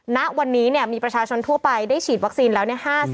ณวันนี้มีประชาชนทั่วไปได้ฉีดวัคซีนแล้ว๕๐